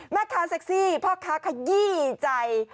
แม่ค้าเซ็กซี่พ่อค้าขยี้ใจ